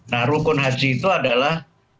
nah rukun haji itu adalah